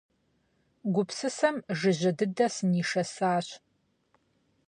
Гупсысэм жыжьэ дыдэ сынишэсащ.